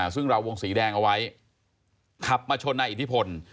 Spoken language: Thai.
ซึ่งเราวงสีแดงเอาไว้ขับมาชนนายอิทธิพล